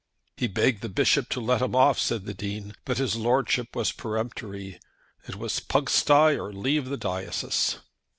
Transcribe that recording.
"He begged the Bishop to let him off," said the Dean, "but his Lordship was peremptory. It was Pugsty or leave the diocese."